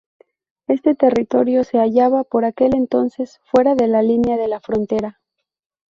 Este territorio se hallaba, por aquel entonces, fuera de la línea de la frontera.